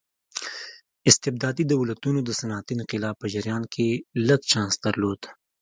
استبدادي دولتونو د صنعتي انقلاب په جریان کې لږ چانس درلود.